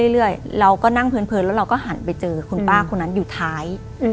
เรื่อยเราก็นั่งเพลินแล้วเราก็หันไปเจอคุณป้าคนนั้นอยู่ท้าย